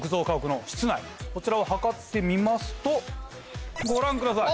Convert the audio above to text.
こちらを測ってみますとご覧ください。